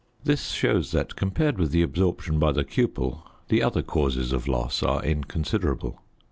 This shows that, compared with the absorption by the cupel, the other causes of loss are inconsiderable.